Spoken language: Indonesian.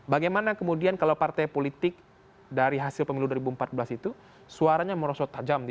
bagaimana kemudian kalau partai politik dari hasil pemilu dua ribu empat belas itu suaranya merosot tajam di dua ribu sembilan belas